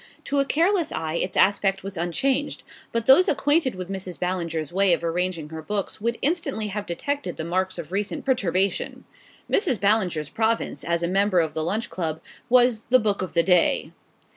To a careless eye its aspect was unchanged; but those acquainted with Mrs. Ballinger's way of arranging her books would instantly have detected the marks of recent perturbation. Mrs. Ballinger's province, as a member of the Lunch Club, was the Book of the Day.